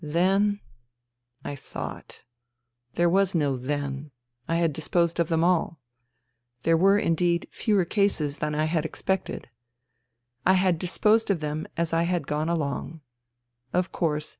Then ... I thought. There was no " then." I had disposed of them all. There were indeed fewer cases than I had expected. I had disposed of them as I had gone along. Of course.